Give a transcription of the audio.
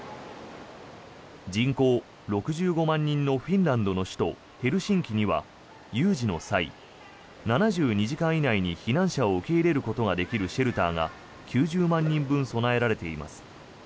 人口６５万人のフィンランドの首都ヘルシンキには有事の際、７２時間以内に避難者を受け入れることができるシェルターが９０万人分備えられています。